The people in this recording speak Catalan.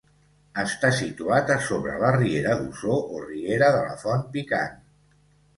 Està situat a sobre la riera d'Osor o riera de la Font Picant.